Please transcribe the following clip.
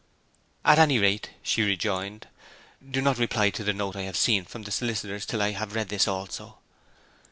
'At any rate,' she rejoined, 'do not reply to the note I have seen from the solicitors till I have read this also.'